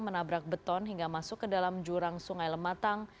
menabrak beton hingga masuk ke dalam jurang sungai lematang